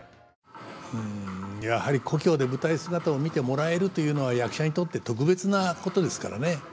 うんやはり故郷で舞台姿を見てもらえるというのは役者にとって特別なことですからね。